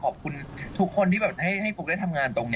ขอบคุณทุกคนที่แบบให้ฟุ๊กได้ทำงานตรงนี้